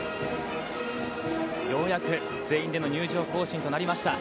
ようやく全員での入場行進となりました。